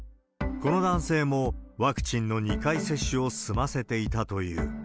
この男性もワクチンの２回接種を済ませていたという。